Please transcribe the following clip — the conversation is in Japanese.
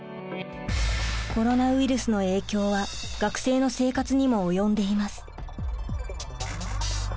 コロナウイルスの影響は学生の生活にも及んでいます。